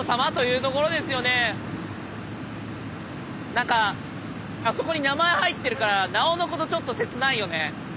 なんかあそこに名前入ってるからなおのことちょっと切ないよね。